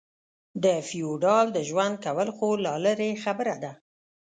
د فېوډال د ژوند کول خو لا لرې خبره ده.